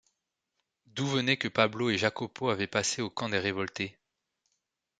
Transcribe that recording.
D’où venait que Pablo et Jacopo avaient passé au camp des révoltés?